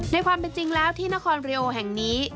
ในความเป็นจริงแล้วที่นครเรียโอแห่งนี้